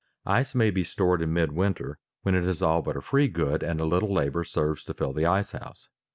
Ice may be stored in midwinter when it is all but a free good and a little labor serves to fill the ice house.